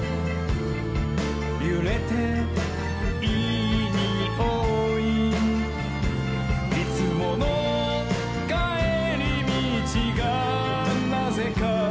「ゆれていいにおい」「いつものかえりみちがなぜか」